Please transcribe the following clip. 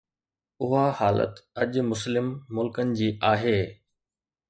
اها حالت اڄ مسلم ملڪن جي آهي